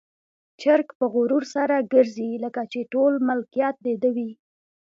چرګ په غرور سره ګرځي، لکه چې ټول ملکيت د ده وي.